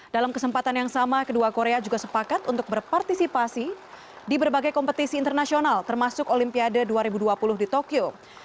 dalam kesempatan yang sama kedua korea juga sepakat untuk berpartisipasi di berbagai kompetisi internasional termasuk olimpiade dua ribu dua puluh di tokyo